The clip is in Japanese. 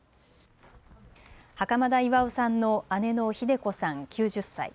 袴田巌さんの姉のひで子さん、９０歳。